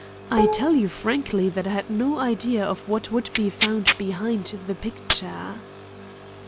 I tell you frankly that I had no idea of what would be found behind the picture."